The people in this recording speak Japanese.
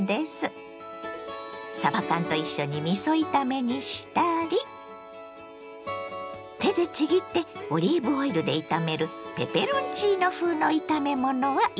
さば缶と一緒にみそ炒めにしたり手でちぎってオリーブオイルで炒めるペペロンチーノ風の炒め物はいかが？